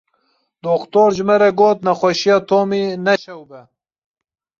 Doktor ji me re got nexweşiya Tomî ne şewb e.